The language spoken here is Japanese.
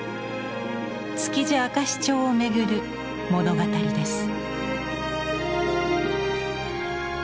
「築地明石町」をめぐる物語です。